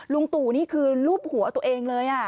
ตู่นี่คือรูปหัวตัวเองเลย